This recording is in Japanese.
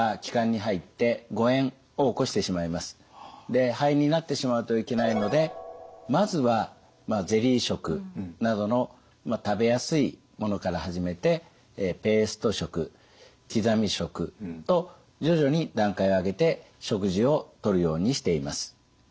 で肺炎になってしまうといけないのでまずはゼリー食などの食べやすいものから始めてペースト食刻み食と徐々に段階を上げて食事をとるようにしています。